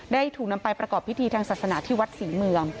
ถูกนำไปประกอบพิธีทางศาสนาที่วัดศรีเมือง